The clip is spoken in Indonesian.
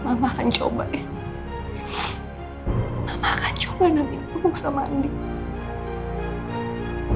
melainkan aku sekarang masih bisa jai jaitan untuk si ibu sama dia ok